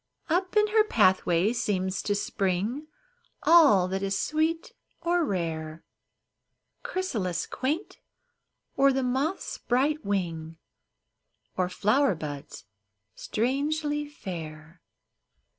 Up in her pathway seems to spring All that is sweet or rare, — Chrysalis quaint, or the moth's bright wing. Or flower buds strangely fair.